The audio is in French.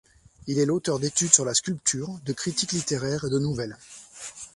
Il est l’auteur d’études sur la sculpture, de critiques littéraires et de nouvelles.